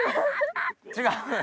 違う？